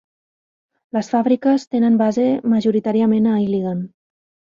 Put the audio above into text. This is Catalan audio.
Les fàbriques tenen base majoritàriament a Iligan.